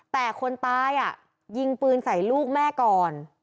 แต่คนตายยิงปืนใส่ลูกแม่ก่อน